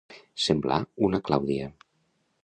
Semblar una Clàudia.